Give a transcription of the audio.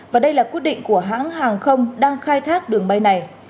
và đây là quyết định của hãng hàng không đang khai thác đường bay này